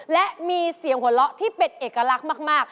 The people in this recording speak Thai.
และมีเสียงหัวเราะที่เป็นเอกลักษณ์มาก